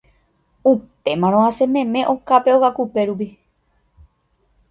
upémaramo asẽmeme okápe ogakupérupi